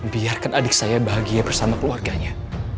biarkan adik saya bahagia bersama keluarganya